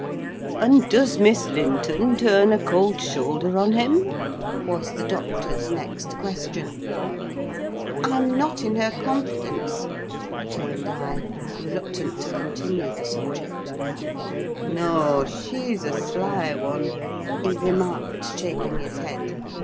"And does Miss Linton turn a cold shoulder on him?" was the doctor's next question. "I'm not in her confidence," returned I, reluctant to continue the subject. "No, she's a sly one," he remarked, shaking his head.